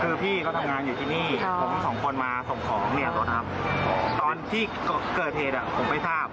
คือพี่เขาทำงานอยู่ที่นี่ผมสองคนมาส่งของเนี่ยรถครับตอนที่เกิดเหตุผมไม่ทราบ